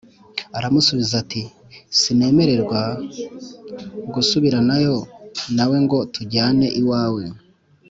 Aramusubiza ati “Sinemererwa gusubiranayo nawe ngo tujyane iwawe